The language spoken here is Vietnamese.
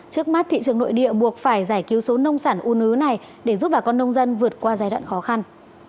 trước mắt thị trường nội địa buộc phải giải cứu số nông sản u nứ này để giúp bà con nông dân vượt qua giai đoạn khó khăn